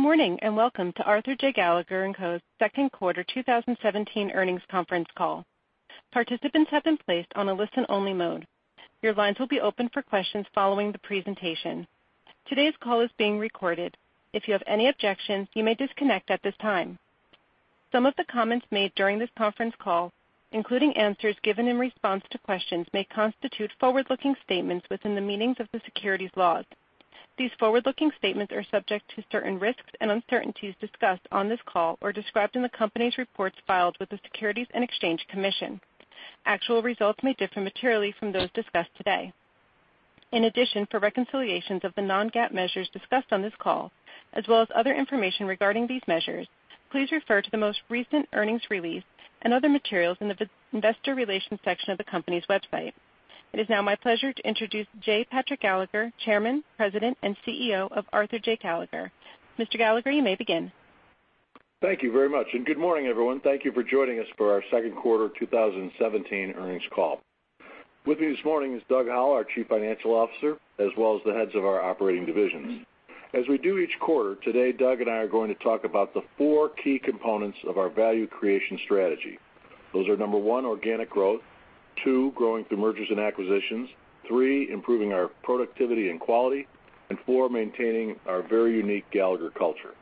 Good morning, and welcome to Arthur J. Gallagher & Co.'s second quarter 2017 earnings conference call. Participants have been placed on a listen-only mode. Your lines will be open for questions following the presentation. Today's call is being recorded. If you have any objections, you may disconnect at this time. Some of the comments made during this conference call, including answers given in response to questions, may constitute forward-looking statements within the meanings of the securities laws. These forward-looking statements are subject to certain risks and uncertainties discussed on this call or described in the company's reports filed with the Securities and Exchange Commission. Actual results may differ materially from those discussed today. For reconciliations of the non-GAAP measures discussed on this call, as well as other information regarding these measures, please refer to the most recent earnings release and other materials in the investor relations section of the company's website. It is now my pleasure to introduce J. Patrick Gallagher, Chairman, President, and CEO of Arthur J. Gallagher. Mr. Gallagher, you may begin. Thank you very much, and good morning, everyone. Thank you for joining us for our second quarter 2017 earnings call. With me this morning is Doug Howell, our Chief Financial Officer, as well as the heads of our operating divisions. As we do each quarter, today Doug and I are going to talk about the four key components of our value creation strategy. Those are, number 1, organic growth. Two, growing through mergers and acquisitions. Three, improving our productivity and quality, and four, maintaining our very unique Gallagher culture.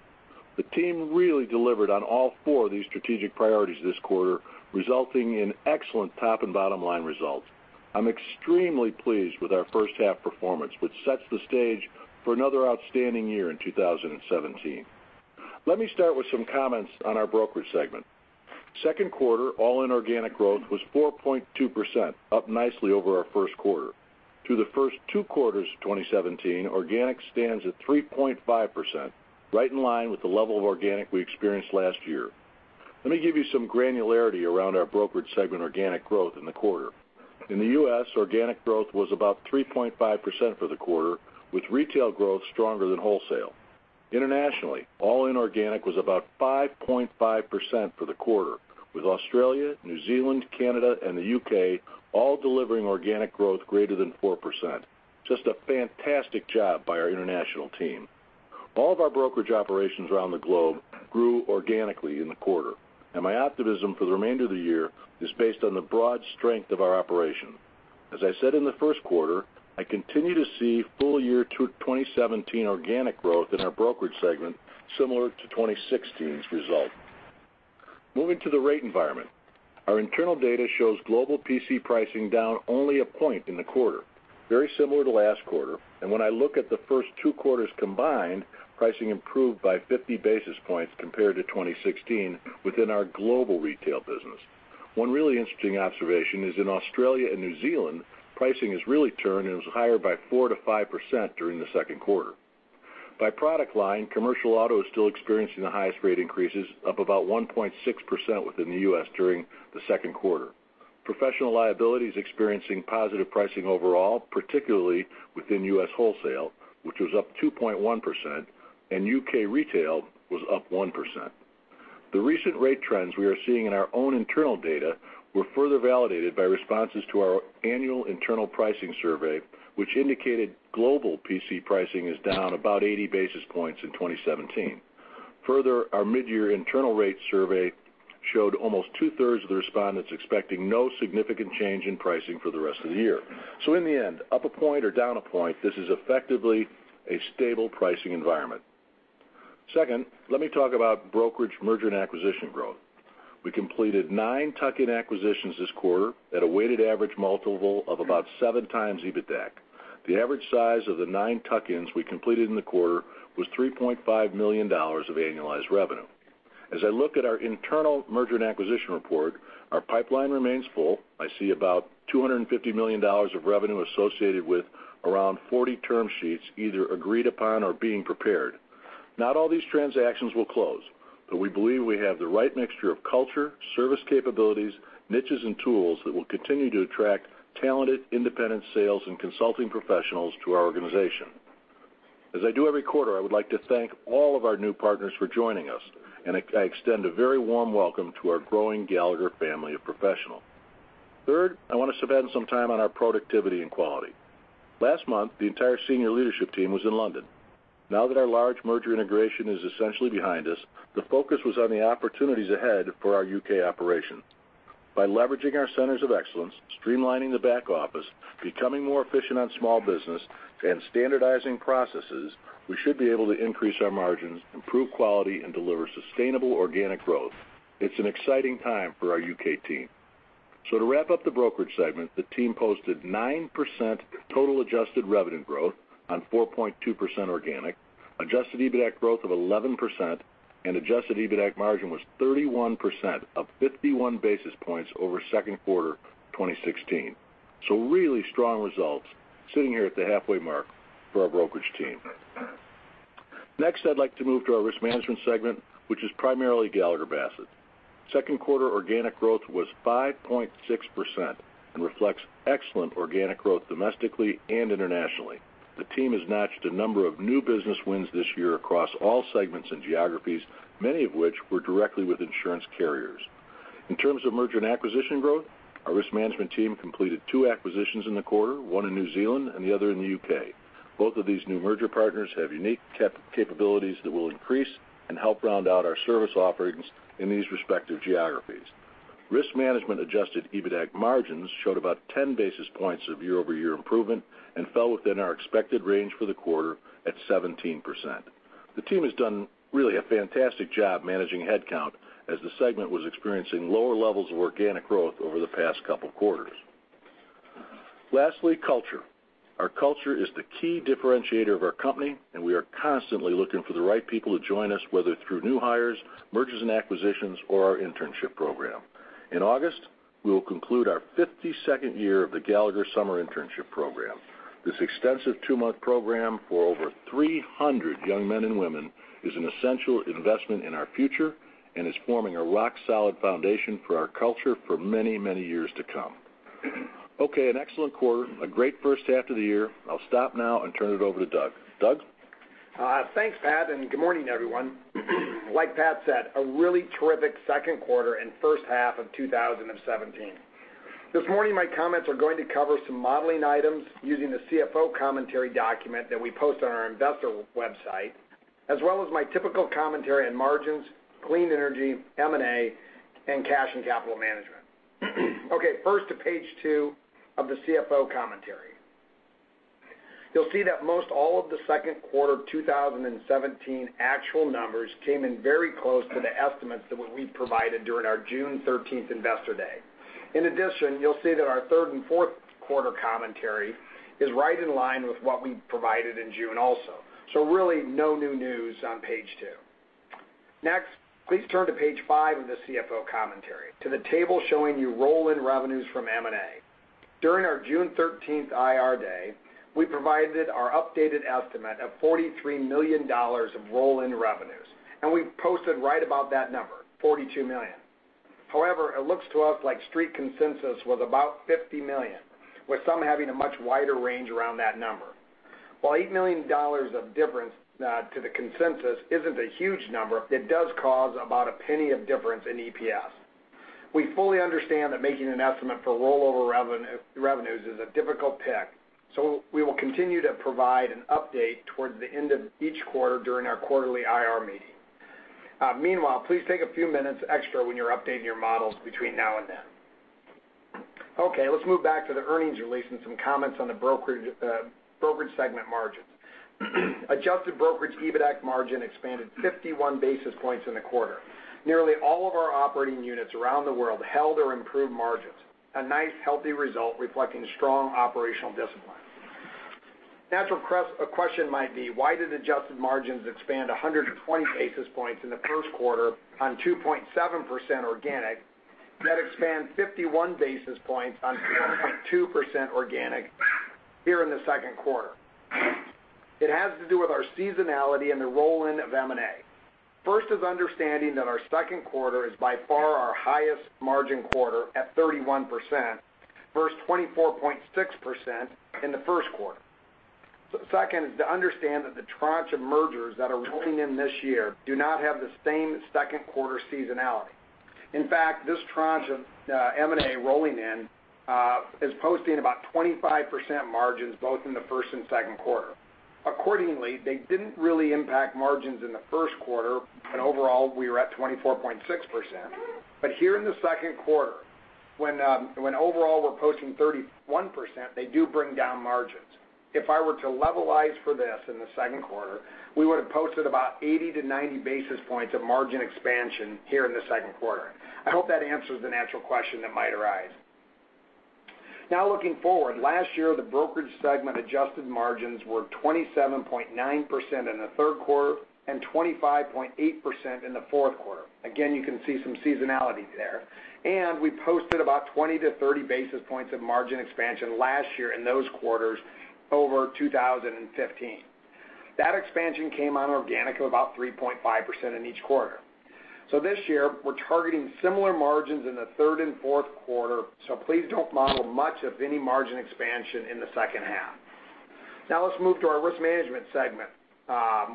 The team really delivered on all four of these strategic priorities this quarter, resulting in excellent top and bottom-line results. I'm extremely pleased with our first half performance, which sets the stage for another outstanding year in 2017. Let me start with some comments on our Brokerage segment. Second quarter all-in organic growth was 4.2%, up nicely over our first quarter. Through the first two quarters of 2017, organic stands at 3.5%, right in line with the level of organic we experienced last year. Let me give you some granularity around our Brokerage segment organic growth in the quarter. In the U.S., organic growth was about 3.5% for the quarter, with retail growth stronger than wholesale. Internationally, all-in organic was about 5.5% for the quarter, with Australia, New Zealand, Canada, and the U.K. all delivering organic growth greater than 4%. Just a fantastic job by our international team. All of our brokerage operations around the globe grew organically in the quarter, and my optimism for the remainder of the year is based on the broad strength of our operation. As I said in the first quarter, I continue to see full-year 2017 organic growth in our Brokerage segment, similar to 2016's result. Moving to the rate environment. Our internal data shows global PC pricing down only a point in the quarter, very similar to last quarter. When I look at the first two quarters combined, pricing improved by 50 basis points compared to 2016 within our global retail business. One really interesting observation is in Australia and New Zealand, pricing has really turned and was higher by 4%-5% during the second quarter. By product line, commercial auto is still experiencing the highest rate increases, up about 1.6% within the U.S. during the second quarter. Professional liability is experiencing positive pricing overall, particularly within U.S. wholesale, which was up 2.1%, and U.K. retail was up 1%. The recent rate trends we are seeing in our own internal data were further validated by responses to our annual internal pricing survey, which indicated global PC pricing is down about 80 basis points in 2017. Further, our mid-year internal rate survey showed almost two-thirds of the respondents expecting no significant change in pricing for the rest of the year. In the end, up a point or down a point, this is effectively a stable pricing environment. Second, let me talk about brokerage merger and acquisition growth. We completed nine tuck-in acquisitions this quarter at a weighted average multiple of about 7x EBITDA. The average size of the nine tuck-ins we completed in the quarter was $3.5 million of annualized revenue. As I look at our internal merger and acquisition report, our pipeline remains full. I see about $250 million of revenue associated with around 40 term sheets either agreed upon or being prepared. Not all these transactions will close, but we believe we have the right mixture of culture, service capabilities, niches, and tools that will continue to attract talented independent sales and consulting professionals to our organization. As I do every quarter, I would like to thank all of our new partners for joining us, and I extend a very warm welcome to our growing Gallagher family of professional. Third, I want to spend some time on our productivity and quality. Last month, the entire senior leadership team was in London. Now that our large merger integration is essentially behind us, the focus was on the opportunities ahead for our U.K. operation. By leveraging our centers of excellence, streamlining the back office, becoming more efficient on small business, and standardizing processes, we should be able to increase our margins, improve quality, and deliver sustainable organic growth. It's an exciting time for our U.K. team. To wrap up the brokerage segment, the team posted 9% total adjusted revenue growth on 4.2% organic. Adjusted EBITDA growth of 11% and adjusted EBITDA margin was 31%, up 51 basis points over second quarter 2016. Really strong results sitting here at the halfway mark for our brokerage team. Next, I'd like to move to our risk management segment, which is primarily Gallagher Bassett. Second quarter organic growth was 5.6% and reflects excellent organic growth domestically and internationally. The team has notched a number of new business wins this year across all segments and geographies, many of which were directly with insurance carriers. In terms of merger and acquisition growth, our risk management team completed two acquisitions in the quarter, one in New Zealand and the other in the U.K. Both of these new merger partners have unique capabilities that will increase and help round out our service offerings in these respective geographies. Risk management adjusted EBITAC margins showed about 10 basis points of year-over-year improvement and fell within our expected range for the quarter at 17%. The team has done really a fantastic job managing headcount as the segment was experiencing lower levels of organic growth over the past couple of quarters. Lastly, culture. Our culture is the key differentiator of our company, we are constantly looking for the right people to join us, whether through new hires, mergers and acquisitions, or our internship program. In August, we will conclude our 52nd year of the Gallagher Summer Internship Program. This extensive two-month program for over 300 young men and women is an essential investment in our future and is forming a rock-solid foundation for our culture for many, many years to come. Okay, an excellent quarter, a great first half of the year. I'll stop now and turn it over to Doug. Doug? Thanks, Pat, good morning, everyone. Like Pat said, a really terrific second quarter and first half of 2017. This morning my comments are going to cover some modeling items using the CFO commentary document that we post on our investor website, as well as my typical commentary on margins, clean energy, M&A, and cash and capital management. Okay. First to page two of the CFO commentary. You'll see that most all of the second quarter 2017 actual numbers came in very close to the estimates that we provided during our June 13th investor day. In addition, you'll see that our third and fourth quarter commentary is right in line with what we provided in June also. Really, no new news on page two. Next, please turn to page five of the CFO commentary, to the table showing you roll-in revenues from M&A. During our June 13th IR day, we provided our updated estimate of $43 million of roll-in revenues. We posted right about that number, $42 million. However, it looks to us like Street Consensus was about $50 million, with some having a much wider range around that number. While $8 million of difference to the consensus isn't a huge number, it does cause about a penny of difference in EPS. We fully understand that making an estimate for rollover revenues is a difficult pick, we will continue to provide an update towards the end of each quarter during our quarterly IR meeting. Meanwhile, please take a few minutes extra when you're updating your models between now and then. Okay, let's move back to the earnings release and some comments on the brokerage segment margins. Adjusted brokerage EBITAC margin expanded 51 basis points in the quarter. Nearly all of our operating units around the world held or improved margins. A nice, healthy result reflecting strong operational discipline. Natural question might be, why did adjusted margins expand 120 basis points in the first quarter on 2.7% organic, yet expand 51 basis points on 4.2% organic here in the second quarter? It has to do with our seasonality and the roll-in of M&A. First is understanding that our second quarter is by far our highest margin quarter at 31%, versus 24.6% in the first quarter. Second is to understand that the tranche of mergers that are rolling in this year do not have the same second quarter seasonality. In fact, this tranche of M&A rolling in is posting about 25% margins both in the first and second quarter. Accordingly, they didn't really impact margins in the first quarter, and overall, we were at 24.6%. Here in the second quarter, when overall we're posting 31%, they do bring down margins. If I were to levelize for this in the second quarter, we would have posted about 80 to 90 basis points of margin expansion here in the second quarter. I hope that answers the natural question that might arise. Now looking forward. Last year, the brokerage segment adjusted margins were 27.9% in the third quarter and 25.8% in the fourth quarter. Again, you can see some seasonality there. We posted about 20 to 30 basis points of margin expansion last year in those quarters over 2015. That expansion came on organic of about 3.5% in each quarter. This year, we're targeting similar margins in the third and fourth quarter, so please don't model much of any margin expansion in the second half. Now let's move to our risk management segment.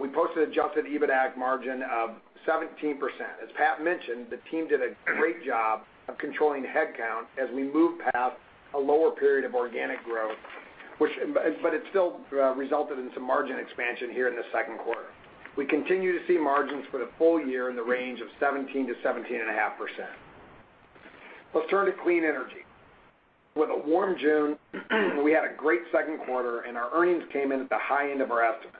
We posted adjusted EBITAC margin of 17%. As Pat mentioned, the team did a great job of controlling headcount as we move past a lower period of organic growth, but it still resulted in some margin expansion here in the second quarter. We continue to see margins for the full year in the range of 17%-17.5%. Let's turn to clean energy. With a warm June, we had a great second quarter, and our earnings came in at the high end of our estimate.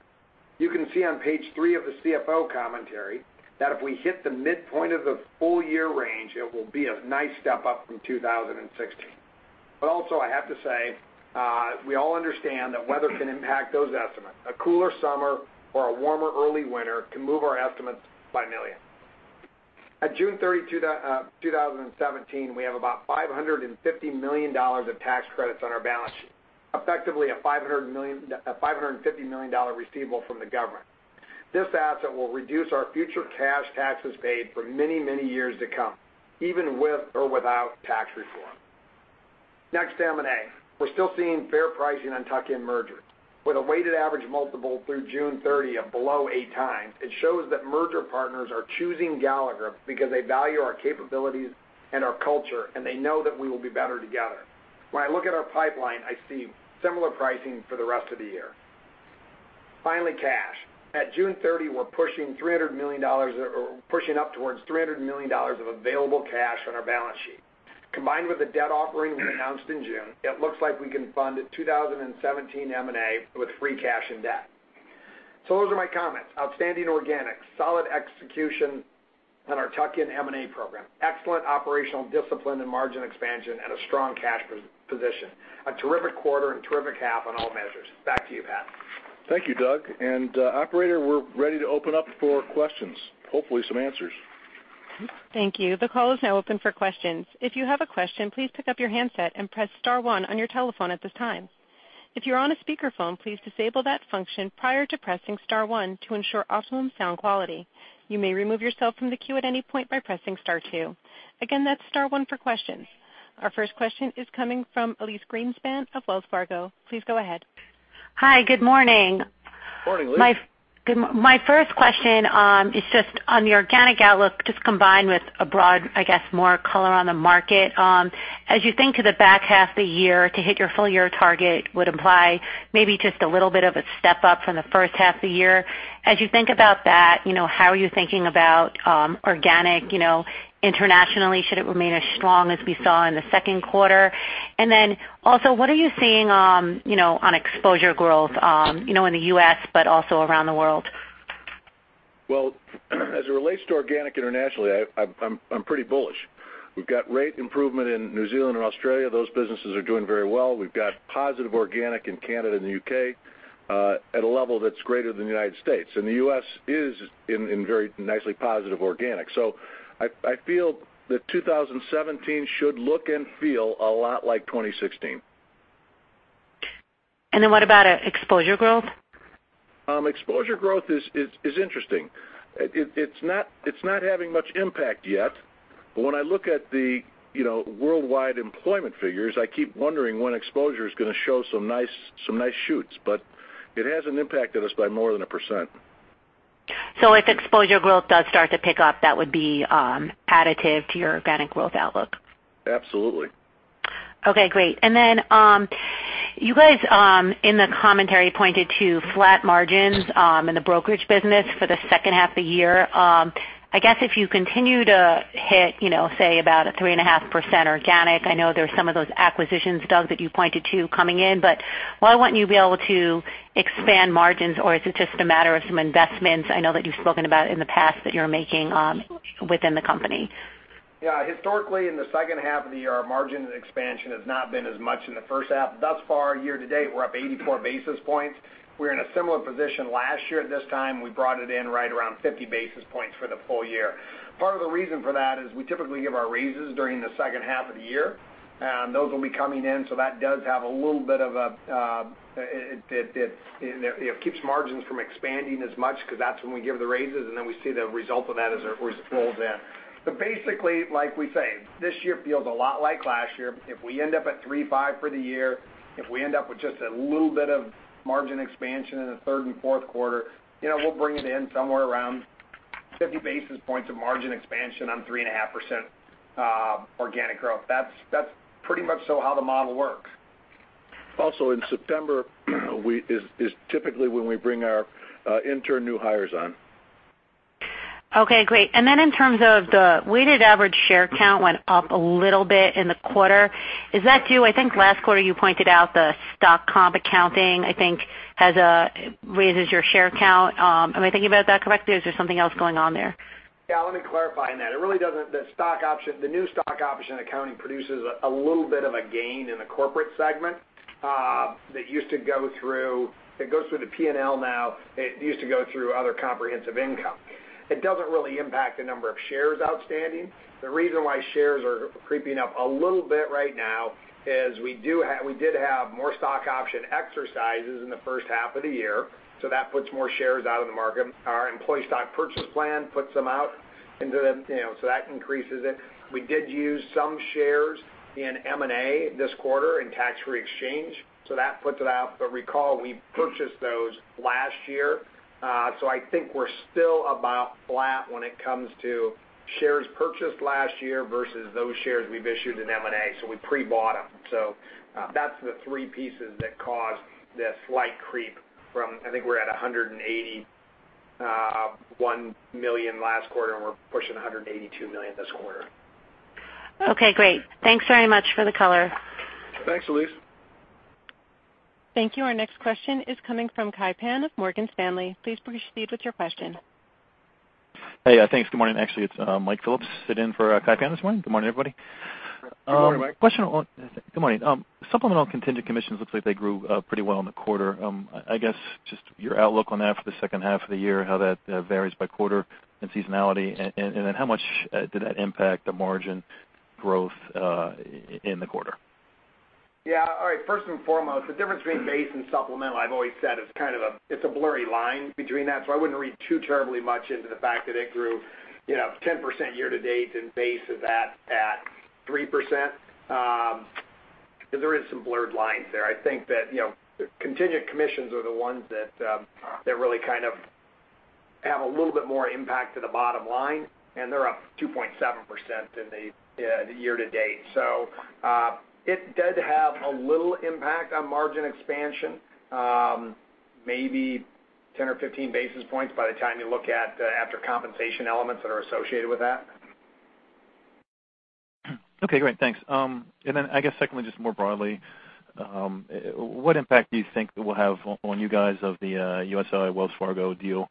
You can see on page three of the CFO commentary that if we hit the midpoint of the full-year range, it will be a nice step up from 2016. Also, I have to say, we all understand that weather can impact those estimates. A cooler summer or a warmer early winter can move our estimates by $1 million. At June 30, 2017, we have about $550 million of tax credits on our balance sheet, effectively a $550 million receivable from the government. This asset will reduce our future cash taxes paid for many, many years to come, even with or without tax reform. Next, M&A. We're still seeing fair pricing on tuck-in mergers. With a weighted average multiple through June 30th below eight times, it shows that merger partners are choosing Gallagher because they value our capabilities and our culture, and they know that we will be better together. When I look at our pipeline, I see similar pricing for the rest of the year. Finally, cash. At June 30, we're pushing up towards $300 million of available cash on our balance sheet. Combined with the debt offering we announced in June, it looks like we can fund 2017 M&A with free cash and debt. Those are my comments. Outstanding organics, solid execution on our tuck-in M&A program, excellent operational discipline and margin expansion, and a strong cash position. A terrific quarter and terrific half on all measures. Back to you, Pat. Thank you, Doug. Operator, we're ready to open up for questions, hopefully some answers. Thank you. The call is now open for questions. If you have a question, please pick up your handset and press *1 on your telephone at this time. If you're on a speakerphone, please disable that function prior to pressing *1 to ensure optimum sound quality. You may remove yourself from the queue at any point by pressing *2. Again, that's *1 for questions. Our first question is coming from Elyse Greenspan of Wells Fargo. Please go ahead. Hi. Good morning. Good morning, Elyse. My first question is just on the organic outlook, just combined with a broad, I guess more color on the market. As you think to the back half of the year to hit your full-year target would imply maybe just a little bit of a step up from the first half of the year. As you think about that, how are you thinking about organic internationally? Should it remain as strong as we saw in the second quarter? Also, what are you seeing on exposure growth in the U.S., but also around the world? Well, as it relates to organic internationally, I'm pretty bullish. We've got rate improvement in New Zealand and Australia. Those businesses are doing very well. We've got positive organic in Canada and the U.K. at a level that's greater than the United States, and the U.S. is in very nicely positive organic. I feel that 2017 should look and feel a lot like 2016. What about exposure growth? Exposure growth is interesting. It's not having much impact yet, but when I look at the worldwide employment figures, I keep wondering when exposure is going to show some nice shoots, but it hasn't impacted us by more than a percent. If exposure growth does start to pick up, that would be additive to your organic growth outlook? Absolutely. Okay, great. You guys, in the commentary, pointed to flat margins in the brokerage business for the second half of the year. I guess if you continue to hit, say about a 3.5% organic, I know there's some of those acquisitions, Doug, that you pointed to coming in, but why wouldn't you be able to expand margins? Is it just a matter of some investments I know that you've spoken about in the past that you're making within the company? Yeah. Historically, in the second half of the year, our margin expansion has not been as much in the first half. Thus far, year to date, we're up 84 basis points. We were in a similar position last year at this time. We brought it in right around 50 basis points for the full year. Part of the reason for that is we typically give our raises during the second half of the year. Those will be coming in, so that does have a little bit of a It keeps margins from expanding as much because that's when we give the raises, and then we see the result of that as it rolls in. Basically, like we say, this year feels a lot like last year. If we end up at 3.5 for the year, if we end up with just a little bit of margin expansion in the third and fourth quarter, we'll bring it in somewhere around 50 basis points of margin expansion on 3.5% organic growth. That's pretty much so how the model works. In September, is typically when we bring our intern new hires on. Okay, great. In terms of the weighted average share count went up a little bit in the quarter. Is that due, I think last quarter you pointed out the stock comp accounting, I think raises your share count. Am I thinking about that correctly or is there something else going on there? Let me clarify on that. The new stock option accounting produces a little bit of a gain in the corporate segment that goes through the P&L now. It used to go through other comprehensive income. It doesn't really impact the number of shares outstanding. The reason why shares are creeping up a little bit right now is we did have more stock option exercises in the first half of the year, that puts more shares out in the market. Our employee stock purchase plan puts them out. That increases it. We did use some shares in M&A this quarter in tax-free exchange, that puts it out. Recall, we purchased those last year. I think we're still about flat when it comes to shares purchased last year versus those shares we've issued in M&A. We pre-bought them. That's the three pieces that caused the slight creep from, I think we're at $181 million last quarter, and we're pushing $182 million this quarter. Okay, great. Thanks very much for the color. Thanks, Elyse. Thank you. Our next question is coming from Kai Pan of Morgan Stanley. Please proceed with your question. Hey, thanks. Good morning. Actually, it's Mike Phillips sit in for Kai Pan this morning. Good morning, everybody. Good morning, Mike. Good morning. Supplemental contingent commissions looks like they grew pretty well in the quarter. I guess just your outlook on that for the second half of the year, how that varies by quarter and seasonality, and then how much did that impact the margin growth in the quarter? Yeah. All right. First and foremost, the difference between base and supplemental, I've always said it's a blurry line between that, so I wouldn't read too terribly much into the fact that it grew 10% year to date and base is at 3%, because there is some blurred lines there. I think that contingent commissions are the ones that really have a little bit more impact to the bottom line, and they're up 2.7% in the year to date. It does have a little impact on margin expansion, maybe 10 or 15 basis points by the time you look at after compensation elements that are associated with that. Okay, great. Thanks. I guess secondly, just more broadly, what impact do you think will have on you guys of the USI Wells Fargo deal,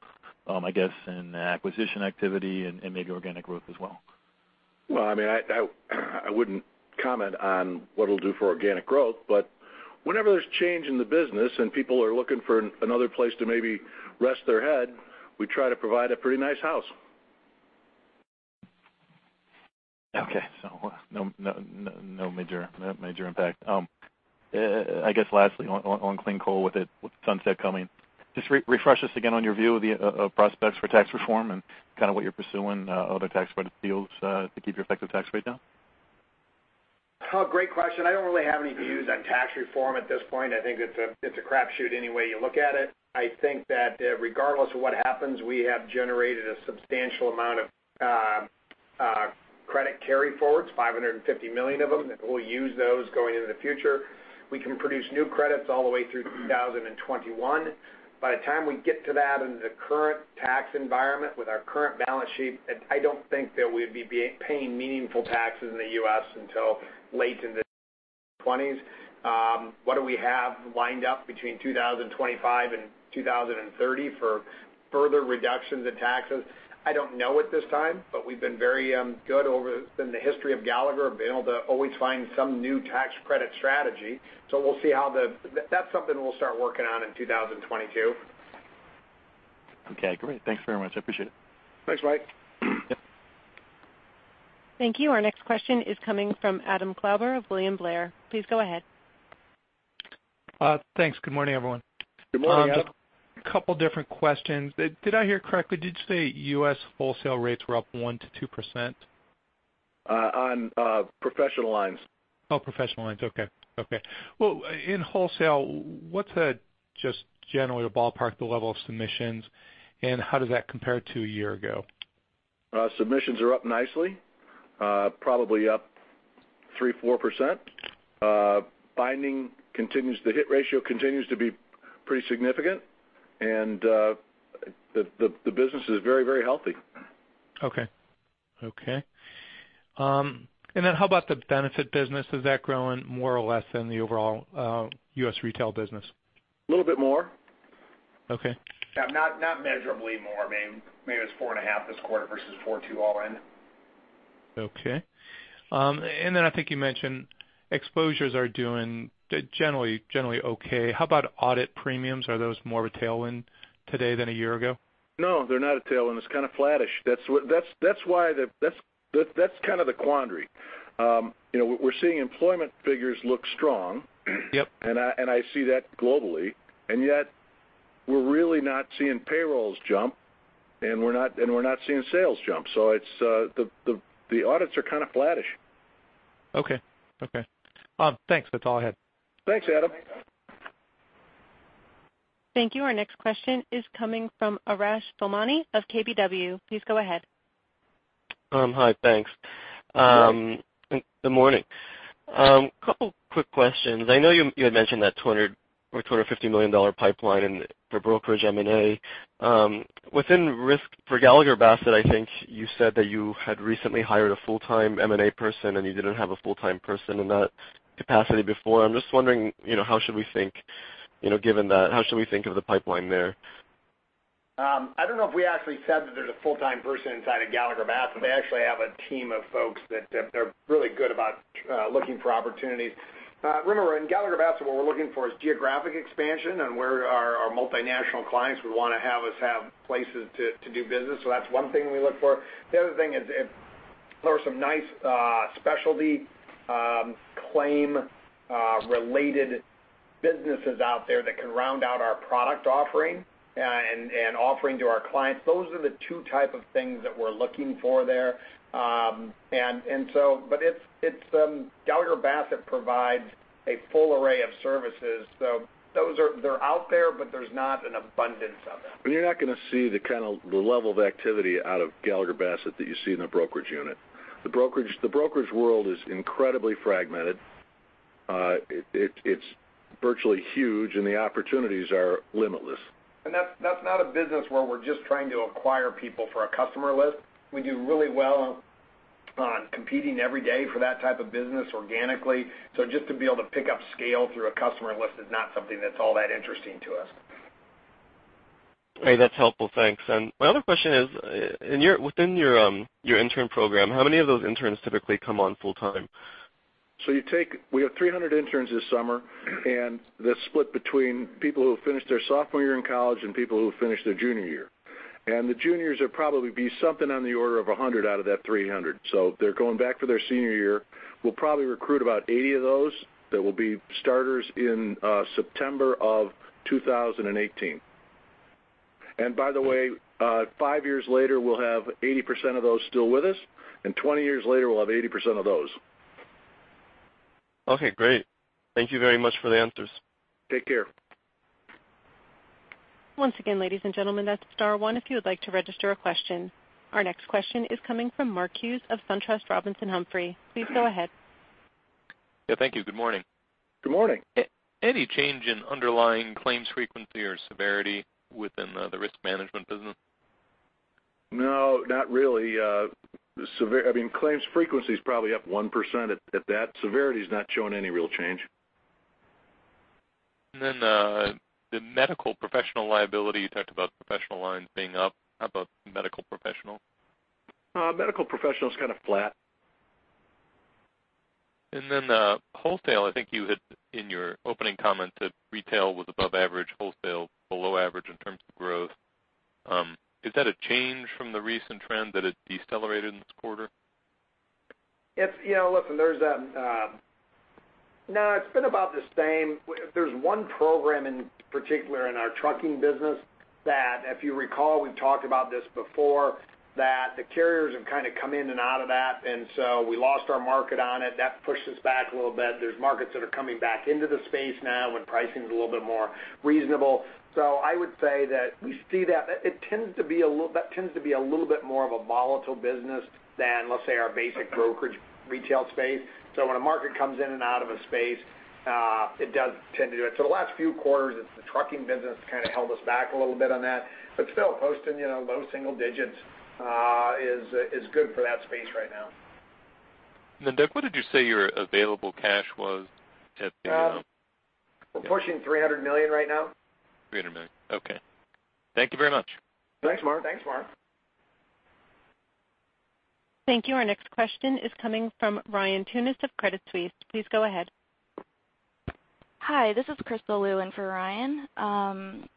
I guess, in acquisition activity and maybe organic growth as well? Well, I wouldn't comment on what it'll do for organic growth, but whenever there's change in the business and people are looking for another place to maybe rest their head, we try to provide a pretty nice house. Okay. No major impact. I guess lastly, on clean coal with the sunset coming, just refresh us again on your view of the prospects for tax reform and kind of what you're pursuing other tax credit deals to keep your effective tax rate down. Great question. I don't really have any views on tax reform at this point. I think it's a crapshoot any way you look at it. I think that regardless of what happens, we have generated a substantial amount of credit carry forwards, $550 million of them, and we'll use those going into the future. We can produce new credits all the way through 2021. By the time we get to that in the current tax environment with our current balance sheet, I don't think that we'd be paying meaningful taxes in the U.S. until late in the 20s. What do we have lined up between 2025 and 2030 for further reductions in taxes? I don't know at this time, but we've been very good over in the history of Gallagher being able to always find some new tax credit strategy. That's something we'll start working on in 2022. Okay, great. Thanks very much. I appreciate it. Thanks, Mike. Yep. Thank you. Our next question is coming from Adam Klauber of William Blair. Please go ahead. Thanks. Good morning, everyone. Good morning, Adam. A couple different questions. Did I hear correctly, did you say U.S. wholesale rates were up 1%-2%? On professional lines. Oh, professional lines. Okay. Well, in wholesale, what's just generally the ballpark, the level of submissions, and how does that compare to a year ago? Submissions are up nicely, probably up 3%, 4%. Binding, the hit ratio continues to be pretty significant, and the business is very healthy. Okay. Then how about the benefit business? Is that growing more or less than the overall U.S. retail business? A little bit more. Okay. Not measurably more. Maybe it's 4.5 this quarter versus 4.2 all in. Okay. I think you mentioned exposures are doing generally okay. How about audit premiums? Are those more of a tailwind today than a year ago? No, they're not a tailwind. It's kind of flattish. That's kind of the quandary. We're seeing employment figures look strong. Yep. I see that globally, yet we're really not seeing payrolls jump, and we're not seeing sales jump. The audits are kind of flattish. Okay. Thanks. That's all I had. Thanks, Adam. Thank you. Our next question is coming from Arash Soleimani of KBW. Please go ahead. Hi. Thanks. You're welcome. Good morning. Couple quick questions. I know you had mentioned that $200 million or $250 million pipeline in the brokerage M&A. Within risk for Gallagher Bassett, I think you said that you had recently hired a full-time M&A person and you didn't have a full-time person in that capacity before. I'm just wondering, given that, how should we think of the pipeline there? I don't know if we actually said that there's a full-time person inside of Gallagher Bassett. They actually have a team of folks that they're really good about looking for opportunities. Remember, in Gallagher Bassett, what we're looking for is geographic expansion and where our multinational clients would want to have us have places to do business. That's one thing we look for. The other thing is if there are some nice specialty claim related businesses out there that can round out our product offering and offering to our clients. Those are the 2 type of things that we're looking for there. Gallagher Bassett provides a full array of services. They're out there, but there's not an abundance of them. You're not going to see the kind of the level of activity out of Gallagher Bassett that you see in the brokerage unit. The brokerage world is incredibly fragmented. It's virtually huge, and the opportunities are limitless. That's not a business where we're just trying to acquire people for a customer list. We do really well on competing every day for that type of business organically. Just to be able to pick up scale through a customer list is not something that's all that interesting to us. Okay, that's helpful. Thanks. My other question is, within your intern program, how many of those interns typically come on full time? We have 300 interns this summer, they're split between people who have finished their sophomore year in college and people who have finished their junior year. The juniors will probably be something on the order of 100 out of that 300. They're going back for their senior year. We'll probably recruit about 80 of those that will be starters in September of 2018. By the way, five years later, we'll have 80% of those still with us, and 20 years later, we'll have 80% of those. Okay, great. Thank you very much for the answers. Take care. Once again, ladies and gentlemen, that's star one if you would like to register a question. Our next question is coming from Mark Hughes of SunTrust Robinson Humphrey. Please go ahead. Yeah, thank you. Good morning. Good morning. Any change in underlying claims frequency or severity within the risk management business? No, not really. Claims frequency is probably up 1% at that. Severity is not showing any real change. The medical professional liability, you talked about professional lines being up. How about medical professional? Medical professional is kind of flat. Wholesale. I think you had in your opening comment that retail was above average, wholesale below average in terms of growth. Is that a change from the recent trend that it decelerated in this quarter? Look, no, it's been about the same. There's one program in particular in our trucking business that, if you recall, we've talked about this before, that the carriers have kind of come in and out of that, and so we lost our market on it. That pushed us back a little bit. There's markets that are coming back into the space now and pricing is a little bit more reasonable. I would say that we see that. That tends to be a little bit more of a volatile business than, let's say our basic brokerage retail space. When a market comes in and out of a space, it does tend to do it. The last few quarters, the trucking business kind of held us back a little bit on that. Still, posting low single digits is good for that space right now. Doug, what did you say your available cash was at the- We're pushing $300 million right now. $300 million. Okay. Thank you very much. Thanks, Mark. Thank you. Our next question is coming from Ryan Tunis of Credit Suisse. Please go ahead. Hi, this is Crystal Lu in for Ryan.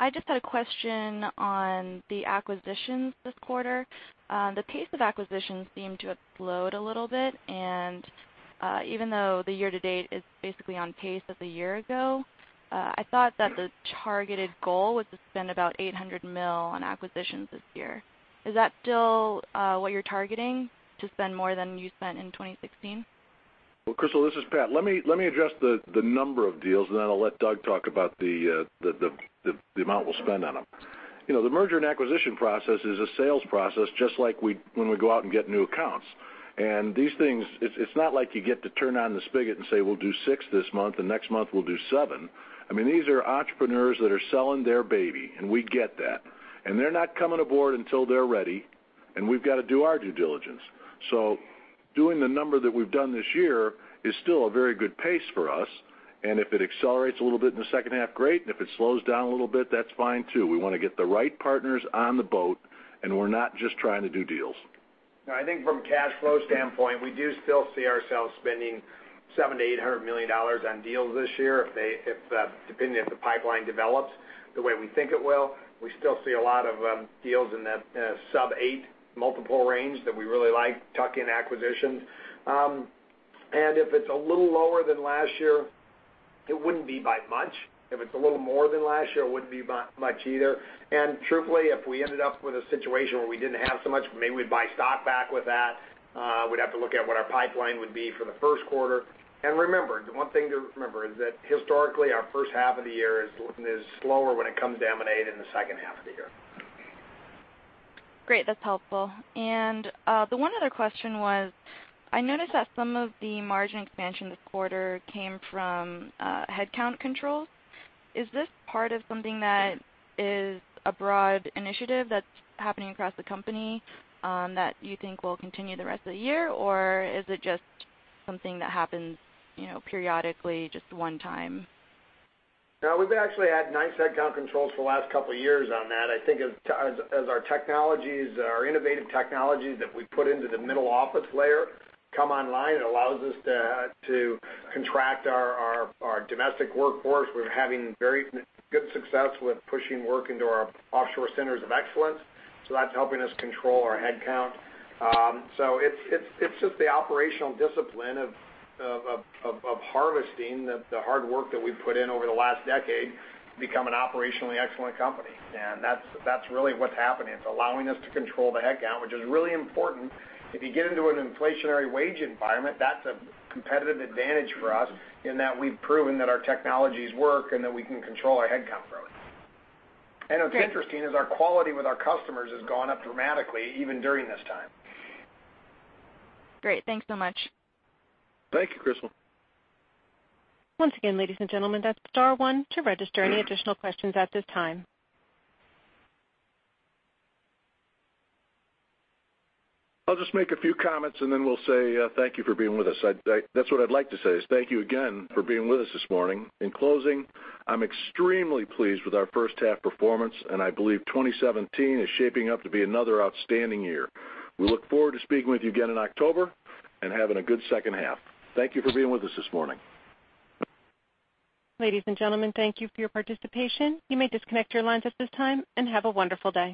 I just had a question on the acquisitions this quarter. The pace of acquisitions seemed to have slowed a little bit. Even though the year to date is basically on pace of a year ago, I thought that the targeted goal was to spend about $800 million on acquisitions this year. Is that still what you're targeting, to spend more than you spent in 2016? Well, Crystal, this is Pat. Let me address the number of deals, and then I'll let Doug talk about the amount we'll spend on them. The merger and acquisition process is a sales process, just like when we go out and get new accounts. These things, it's not like you get to turn on the spigot and say, "We'll do six this month, and next month we'll do seven." These are entrepreneurs that are selling their baby, and we get that. They're not coming aboard until they're ready, and we've got to do our due diligence. Doing the number that we've done this year is still a very good pace for us, and if it accelerates a little bit in the second half, great. If it slows down a little bit, that's fine, too. We want to get the right partners on the boat, and we're not just trying to do deals. No, I think from a cash flow standpoint, we do still see ourselves spending $700 million to $800 million on deals this year, depending if the pipeline develops the way we think it will. We still see a lot of deals in that sub-eight multiple range that we really like, tuck-in acquisitions. If it's a little lower than last year, it wouldn't be by much. If it's a little more than last year, it wouldn't be by much either. Truthfully, if we ended up with a situation where we didn't have so much, maybe we'd buy stock back with that. We'd have to look at what our pipeline would be for the first quarter. Remember, the one thing to remember is that historically, our first half of the year is slower when it comes to M&A than the second half of the year. Great. That's helpful. The one other question was, I noticed that some of the margin expansion this quarter came from headcount controls. Is this part of something that is a broad initiative that's happening across the company that you think will continue the rest of the year, or is it just something that happens periodically, just one time? No, we've actually had nice headcount controls for the last couple of years on that. I think as our innovative technologies that we put into the middle office layer come online, it allows us to contract our domestic workforce. We're having very good success with pushing work into our offshore centers of excellence. That's helping us control our headcount. It's just the operational discipline of harvesting the hard work that we've put in over the last decade to become an operationally excellent company, and that's really what's happening. It's allowing us to control the headcount, which is really important. If you get into an inflationary wage environment, that's a competitive advantage for us in that we've proven that our technologies work and that we can control our headcount growth. Great. What's interesting is our quality with our customers has gone up dramatically, even during this time. Great. Thanks so much. Thank you, Crystal. Once again, ladies and gentlemen, that's star one to register any additional questions at this time. I'll just make a few comments and then we'll say thank you for being with us. That's what I'd like to say, is thank you again for being with us this morning. In closing, I'm extremely pleased with our first half performance, and I believe 2017 is shaping up to be another outstanding year. We look forward to speaking with you again in October and having a good second half. Thank you for being with us this morning. Ladies and gentlemen, thank you for your participation. You may disconnect your lines at this time. Have a wonderful day.